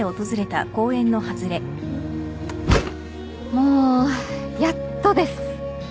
もうやっとです。